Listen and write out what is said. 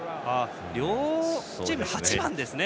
両チームの８番でしたね。